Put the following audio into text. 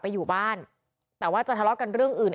อยู่บ้านแต่ว่าจะทะเลาะกันเรื่องอื่น